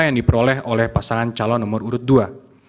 yang diperoleh oleh pasangan calon nomor urut dua